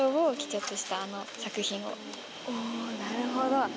おなるほど。